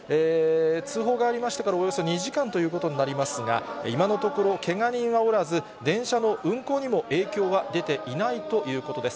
通報がありましてからおよそ２時間ということになりますが、今のところ、けが人はおらず、電車の運行にも影響は出ていないということです。